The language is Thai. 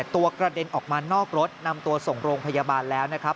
ตัวกระเด็นออกมานอกรถนำตัวส่งโรงพยาบาลแล้วนะครับ